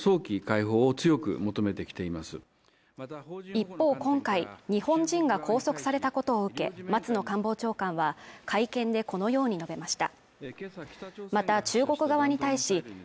一方、今回日本人が拘束されたことを受け、松野官房長官は会見でこのように述べました。